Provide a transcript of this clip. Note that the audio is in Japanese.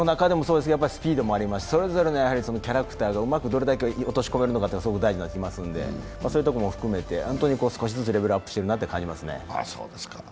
スピードもありますし、それぞれのキャラクターがどれだけうまく落とし込めるかが大事だと思いますのでそういうところも含めて少しずつレベルアップしてるなという感じがしますね。